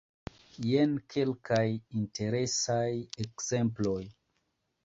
Jen kelkaj interesaj ekzemploj.